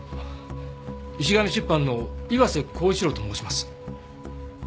石神出版の岩瀬厚一郎と申します。